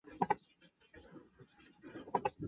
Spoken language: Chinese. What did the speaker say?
属定襄都督府。